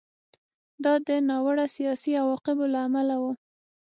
دا د ناوړه سیاسي عواقبو له امله و